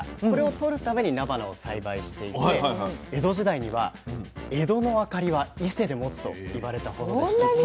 これをとるためになばなを栽培していて江戸時代には「江戸の明かりは伊勢でもつ」と言われたほどでして。